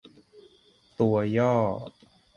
ตัวย่อ